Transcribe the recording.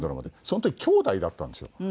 その時姉弟だったんですよ。